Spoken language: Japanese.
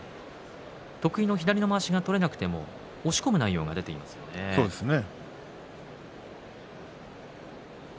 得意の左のまわしが取れなくても押し込む内容が取れていますね。